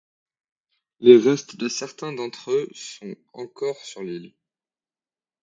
Les restes de certains d'entre eux sont encore sur l'île.